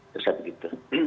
terus seperti itu